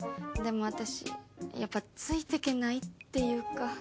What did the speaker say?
でも私やっぱついてけないっていうか。